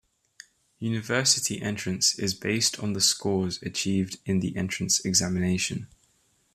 University entrance is based on the scores achieved in the entrance examination.